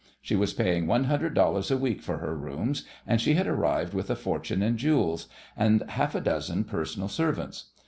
She was paying one hundred dollars a week for her rooms, and she had arrived with a fortune in jewels, and half a dozen personal servants.